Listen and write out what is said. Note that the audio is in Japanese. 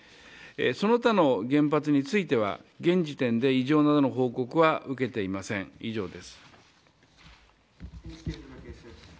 その他の原発については現時点で異常などの報告は受けていません、以上です。